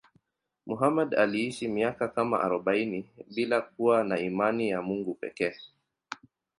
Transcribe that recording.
Muhammad aliishi miaka kama arobaini bila kuwa na imani ya Mungu pekee.